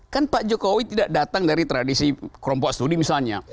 kan pak jokowi tidak datang dari tradisi kelompok studi misalnya